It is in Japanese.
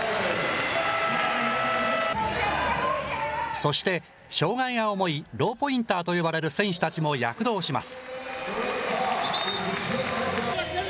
そして、障害が重いローポインターと呼ばれる選手たちも躍動します。